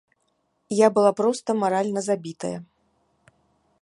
Я была проста маральна забітая.